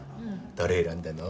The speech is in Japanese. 誰選んだの？